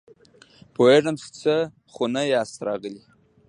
پوهېږم، بې څه خو نه ياست راغلي!